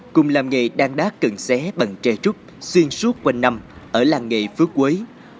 cùng làm nghề đan đá cận xé bằng trẻ trúc xuyên suốt quanh năm ở làng nghề phước quấy